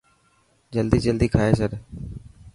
جلدي جلدي کائي ڇڏ.